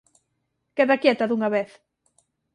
Queda quieta dunha vez.